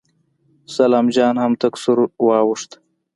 سلام جان هم تک سور واوښت.